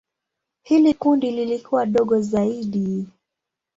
Hili kundi lilikuwa dogo zaidi.